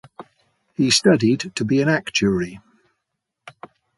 He studied to be an actuary.